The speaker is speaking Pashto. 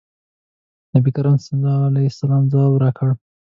نبي کریم صلی الله علیه وسلم ځواب راکړ.